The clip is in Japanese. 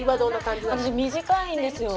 私短いんですよ